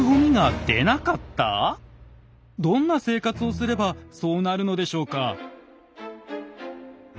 どんな生活をすればそうなるのでしょうか。